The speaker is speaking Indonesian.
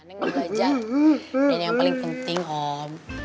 nenek mau belajar nenek yang paling penting om